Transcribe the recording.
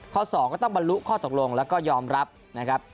๒ก็ต้องบรรลุข้อตกลงแล้วก็ยอมรับนะครับ